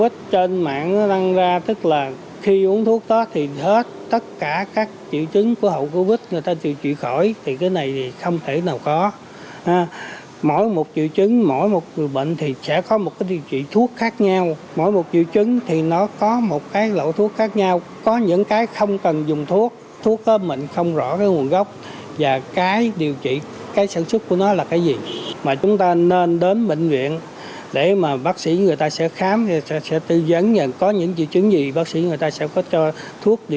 trước hàng loạt các loại thuốc phương pháp điều trị hậu covid một mươi chín